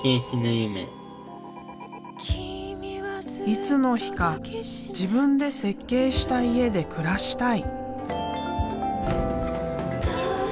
いつの日か自分で設計した家で暮らしたい。